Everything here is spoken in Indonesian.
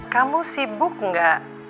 kamu sibuk gak